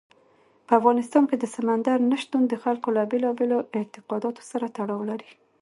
په افغانستان کې سمندر نه شتون د خلکو له بېلابېلو اعتقاداتو سره تړاو لري.